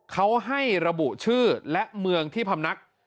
เขาให้ระบุชื่อและเมืองที่พำนัก